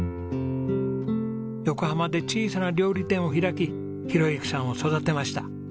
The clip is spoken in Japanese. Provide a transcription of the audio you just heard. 横浜で小さな料理店を開き宏幸さんを育てました。